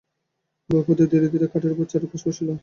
ভূপতি ধীরে ধীরে খাটের উপর চারুর পাশে বসিল।